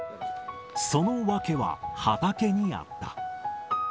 その訳は畑にあった。